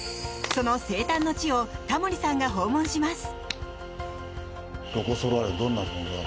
その生誕の地をタモリさんが訪問します。